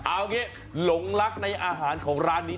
เอางี้หลงรักในอาหารของร้านนี้